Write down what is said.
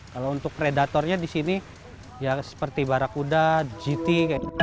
kalau untuk predatornya di sini ya seperti barakuda gt